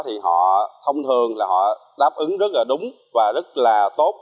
thì họ thông thường là họ đáp ứng rất là đúng và rất là tốt